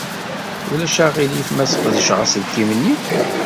Ulac aɣilif ma sqedceɣ aselkim-nni?